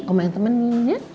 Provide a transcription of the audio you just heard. mama yang temenin